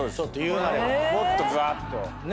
もっとぶわっと。